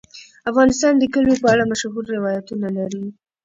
افغانستان د کلیو په اړه مشهور روایتونه لري.